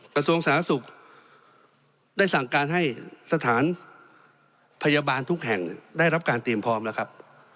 กระทรวงสาธารณสุขได้สั่งการให้สถานพยาบาลทุกแห่งได้รับการเตรียมพร้อมแล้วครับ